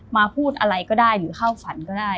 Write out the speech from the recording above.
พูดอะไรก็ได้หรือเข้าฝันก็ได้